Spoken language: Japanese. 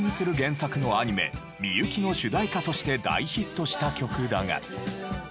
作のアニメ『みゆき』の主題歌として大ヒットした曲だが。